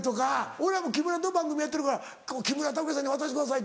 俺らも木村と番組やってるから「木村拓哉さんに渡してください」。